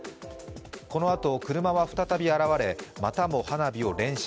このあと、車は再び現れ、またも花火を連射。